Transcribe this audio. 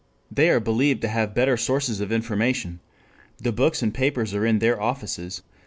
They are believed to have better sources of information. The books and papers are in their offices.